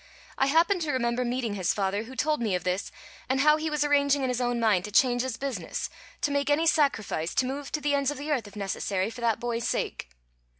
I happen to remember meeting his father, who told me of this, and how he was arranging in his own mind to change his business, to make any sacrifice, to move to the ends of the earth, if necessary, for that boy's sake.